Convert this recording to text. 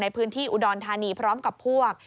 ในพื้นที่อุดรธานีพร้อมกับพวก